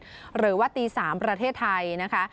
หรือว่าตี๓ประเทศไทยนะคะ